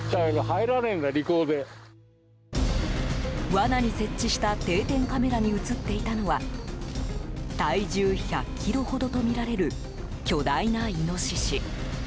わなに設置した定点カメラに映っていたのは体重１００ｋｇほどとみられる巨大なイノシシ。